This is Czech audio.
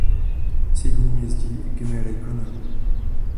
S jedním jezdí i Kimi Räikkönen.